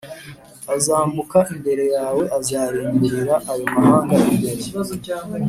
azambuka imbere yawe Azarimburira ayo mahanga imbere